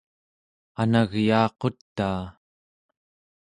anagyaaqutaa